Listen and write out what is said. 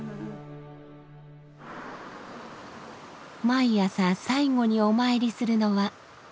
毎朝最後にお参りするのは母なる